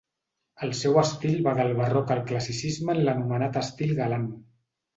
El seu estil va del Barroc al Classicisme en l'anomenat estil galant.